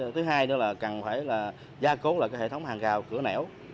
thứ hai nữa là cần gia cố hệ thống hàng gào cửa nẻo